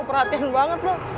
super hati hatiin banget lo